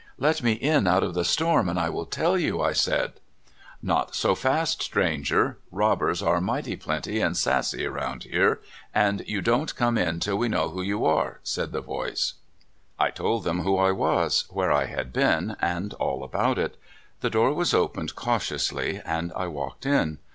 *' Let me in out of the storm, and I will tell you," I said. Not so fast, stranger. Robbers are mighty plenty and sassy round here, and you don't come in till we know who you are," said the voice. LOST ON TABLE MOUNTAIN. " 29 I told them who I was, where I had been, and all about it. The door was opened cautiously, and I walked in.